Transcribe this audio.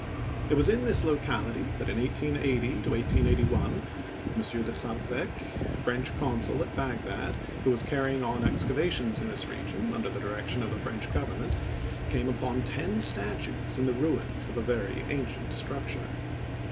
It was in this locality that, in 1880 1881, M. de Sarzec, French consul at Bagdad, who was carrying on excavations in this region under the direction of the French government, came upon ten statues in the ruins of a very ancient structure.